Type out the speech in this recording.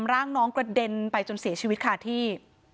ร่างน้องกระเด็นไปจนเสียชีวิตค่ะที่